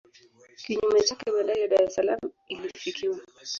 Kinyume chake bandari ya Dar es Salaam ilifikiwa